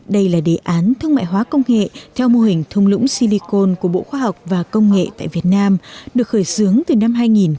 đây là đề án thương mại hóa công nghệ theo mô hình thùng lũng silicon của bộ khoa học và công nghệ tại việt nam được khởi xướng từ năm hai nghìn một mươi